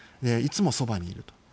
いつもそばにいると。